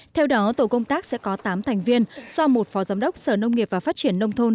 theo đó tổ công tác sẽ có tám thành viên do một phó giám đốc sở nông nghiệp và phát triển nông thôn